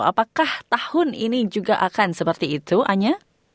apakah tahun ini juga akan seperti itu anya